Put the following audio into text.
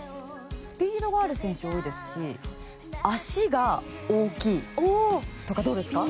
スピードがある選手が多いですし足が大きいとかどうですか？